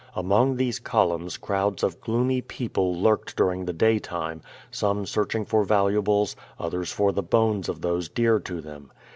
Among these columns crowds of gloomy people lurked during the day time, some searching for valuables, others for the bones of those dear to them.